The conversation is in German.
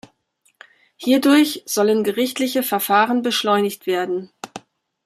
Hierdurch sollen gerichtliche Verfahren beschleunigt werden.